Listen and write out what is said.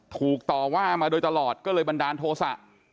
ถูกต่อว่ามาโดยตลอดก็เลยบันดาลโทษะ